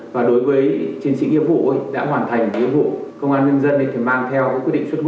và đối với chiến sĩ nghiệp vụ đã hoàn thành nhiệm vụ công an nhân dân thì mang theo quyết định xuất một